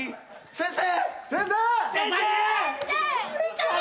先生！